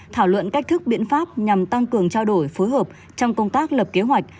thảo luận cách thức biện pháp nhằm tăng cường trao đổi phối hợp trong công tác lập kế hoạch